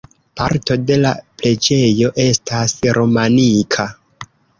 Parto de la preĝejo estas romanika.